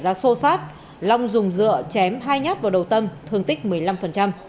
giá sô sát long dùng dựa chém hai nhát vào đầu tâm thương tích một mươi năm